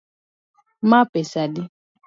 Ma pesa adi